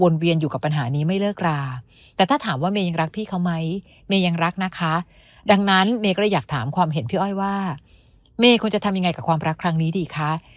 เมย์ก็จะทำยังไงกับความรักครั้งนี้ดีคะ